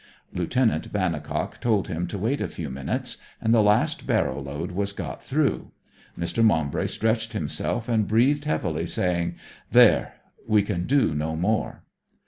Lieutenant Vannicock told him to wait a few minutes, and the last barrow load was got through. Mr. Maumbry stretched himself and breathed heavily, saying, 'There; we can do no more.'